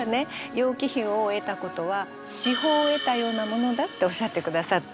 楊貴妃を得たことは至宝を得たようなものだっておっしゃってくださって。